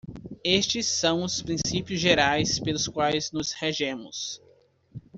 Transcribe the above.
Estes são os princípios gerais pelos quais nos regemos.